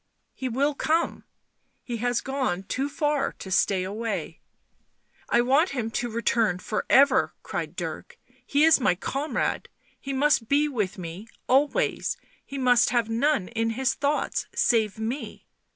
" He will come. He has gone too far to stay away." " I want him to return for ever," cried Dirk. " He is my comrade — he must be with me always — he must have none in his thoughts save me."